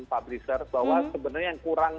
publisher bahwa sebenarnya yang kurang